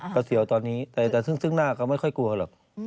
เสียวตอนนี้แต่ซึ่งหน้าก็ไม่ค่อยกลัวหรอก